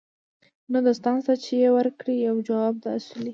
نه دوستان سته چي یې ورکړي یو جواب د اسوېلیو